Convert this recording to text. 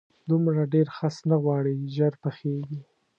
دومره ډېر خس نه غواړي، ژر پخېږي.